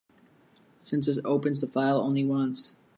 Since this opens the file only once.